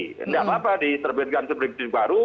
tidak apa apa diserbitkan seperti itu baru